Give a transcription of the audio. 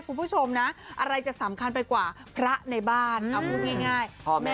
คุณผู้ชมนะอะไรจะสำคัญไปกว่าพระในบ้านเอาพูดง่าย